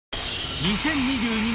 ［２０２２年